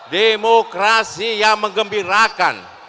demokrasi yang mengembirakan